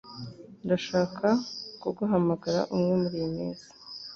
Ndashaka kuguhamagara umwe muriyi minsi.